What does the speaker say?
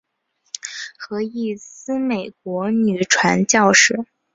何义思美国女传教士。